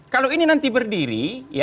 kalau ini nanti berdiri